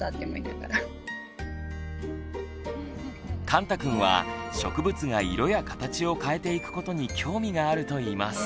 かんたくんは植物が色や形を変えていくことに興味があるといいます。